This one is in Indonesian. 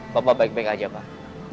papa baik baik aja pak